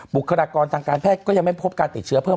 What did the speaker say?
บุคลากรทางการแพทย์ก็ยังไม่พบการติดเชื้อเพิ่ม